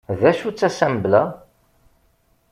D acu-tt Assembla?